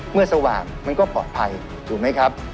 สว่างมันก็ปลอดภัยถูกไหมครับ